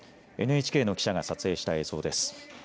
ＮＨＫの記者が撮影した映像です。